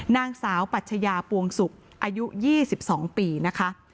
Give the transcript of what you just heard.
นางสาวปัชญาปวงศุกร์อายุ๒๒ปีนะคะ